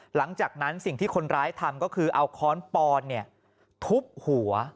หลังจากนั้นสิ่งที่คนร้ายทำก็คือเอาค้อนปอนทุบหัว